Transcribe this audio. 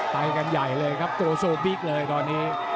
ไปกันใหญ่เลยครับตัวโซบิ๊กเลยตอนนี้